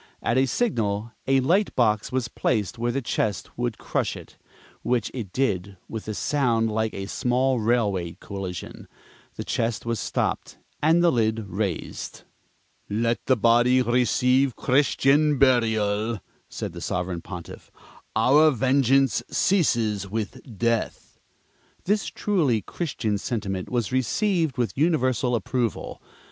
At a signal, a light box was placed where the chest would crush it (which it did with a sound like a small railway collision); the chest was stopped and the lid raised. "Let the body receive Christian burial," said the Sovereign Pontiff. "Our vengeance ceases with death." This truly Christian sentiment was received with universal approval.